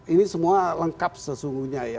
ini semua lengkap sesungguhnya ya